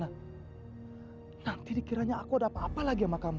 nanti dikiranya aku ada apa apa lagi sama kamu